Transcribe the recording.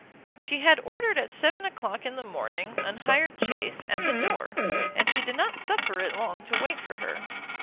She had ordered at seven o'clock in the morning an hired chaise at the door, and she did not suffer it long to wait for her.